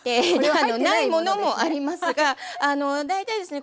ないものもありますが大体ですね